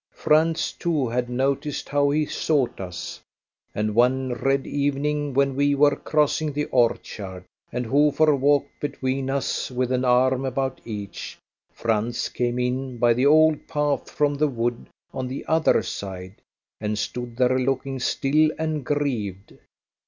Franz, too, had noticed how he sought us, and one red evening when we were crossing the orchard, and Hofer walked between us with an arm about each, Franz came in by the old path from the wood on the other side, and stood there looking still and grieved.